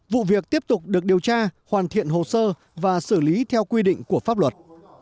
vụ việc tiếp tục được điều tra hoàn thiện hồ sơ và xử lý theo quy định của pháp luật